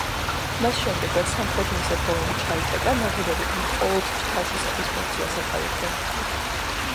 მას შემდეგ რაც სამხრეთი მისადგომი ჩაიკეტა, ნაგებობები მხოლოდ თავშესაფრის ფუნქციას ატარებდა.